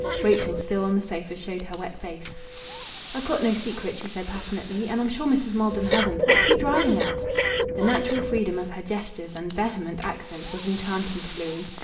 Rachel, still on the sofa, showed her wet face. "I've got no secret," she said passionately. "And I'm sure Mrs. Maldon hasn't. What's he driving at?" The natural freedom of her gestures and vehement accent was enchanting to Louis.